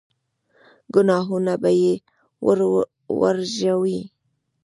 ګناهونه به يې ور ورژوي.